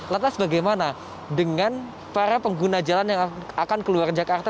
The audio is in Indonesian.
lantas bagaimana dengan para pengguna jalan yang akan keluar jakarta